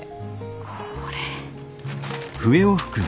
これ。